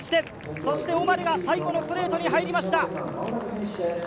そしてオマレが最後のストレートに入りました。